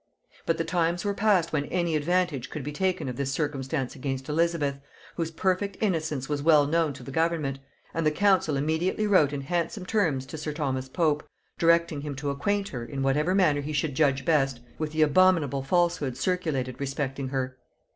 But the times were past when any advantage could be taken of this circumstance against Elizabeth, whose perfect innocence was well known to the government; and the council immediately wrote in handsome terms to sir Thomas Pope, directing him to acquaint her, in whatever manner he should judge best, with the abominable falsehoods circulated respecting her.